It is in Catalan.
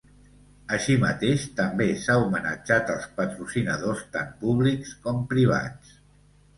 Així mateix, també s’ha homenatjat als patrocinadors, tant públics com privats.